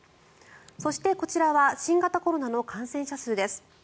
そしてこちらは新型コロナの感染者数です。